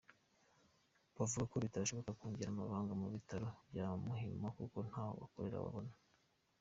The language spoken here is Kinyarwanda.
Bavuga ko bitashoboka kongera abaganga mu bitaro bya Muhima kuko ntaho gukorera babona.